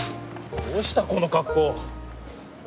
どうしたこの格好？